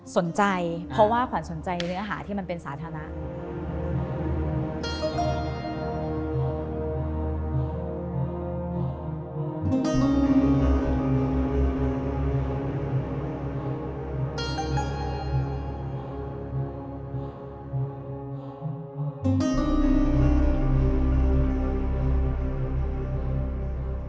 สนใจเพราะว่าขวัญสนใจเนื้อหาที่มันเป็นสาธารณะ